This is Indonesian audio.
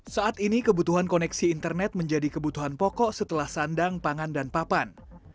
saat ini kebutuhan koneksi internet menjadi kebutuhan pokok setelah sandang pangan dan papan